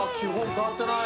変わってない！